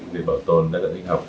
về bảo tồn đại dạng hình học